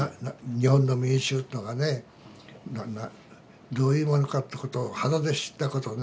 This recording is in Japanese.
日本の民衆っていうのがねどういうものかってことを肌で知ったことね。